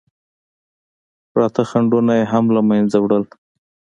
پراته خنډونه یې هم له منځه وړل.